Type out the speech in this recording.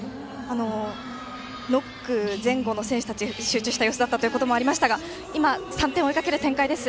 ノック前後の選手たち集中した様子だったということですが今、３点を追いかける展開です。